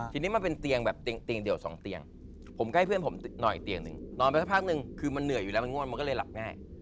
เพราะเพื่อนนอนอยู่ด้วยครับอ่าคือมันเหนื่อยอยู่แล้วมันง่วนมันก็เลยหลับง่าย